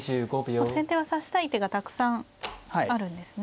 先手は指したい手がたくさんあるんですね。